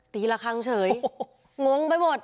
ละครั้งเฉยงงไปหมด